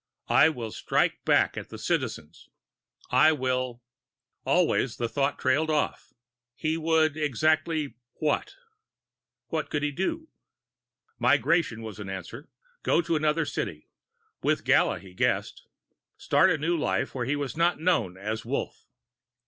I will strike back at the Citizens. I will Always the thought trailed off. He would exactly What? What could he do? Migration was an answer go to another city. With Gala, he guessed. Start a new life, where he was not known as Wolf.